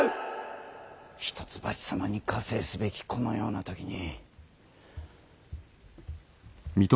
一橋様に加勢すべきこのような時に。